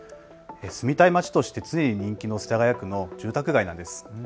住みたい街として常に人気の世田谷区の住宅街なんです。